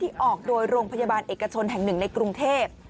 ออกโดยโรงพยาบาลเอกชนแห่งหนึ่งในกรุงเทพ